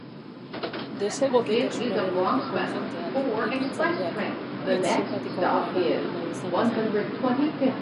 Desegokitasunaren aurkako agenteak, ekintzaileak, hitz sinpatikoagoa erabili nahi izanez gero.